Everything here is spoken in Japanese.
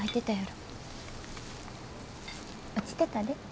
落ちてたで。